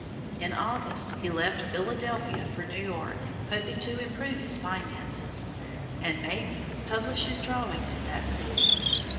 In August he left Philadelphia for New York, hoping to improve his finances, and, may be, publish his drawings in that city.